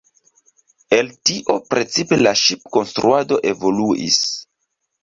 El tio precipe la ŝipkonstruado evoluis.